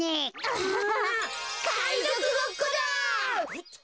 かいぞくごっこだ！